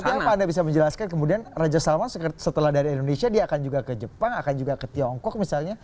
tapi apa anda bisa menjelaskan kemudian raja salman setelah dari indonesia dia akan juga ke jepang akan juga ke tiongkok misalnya